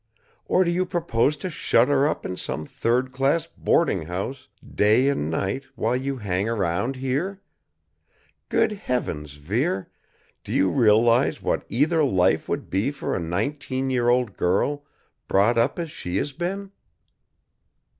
"Or do you propose to shut her up in some third class boarding house day and night while you hang around here? Good heavens, Vere, do you realize what either life would be for an nineteen year old girl brought up as she has been?"